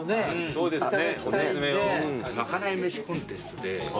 そうですね。